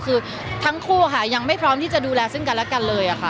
คือทั้งคู่ค่ะยังไม่พร้อมที่จะดูแลซึ่งกันและกันเลยค่ะ